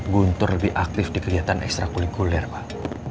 guntur lebih aktif di kegiatan ekstra kulikuler pak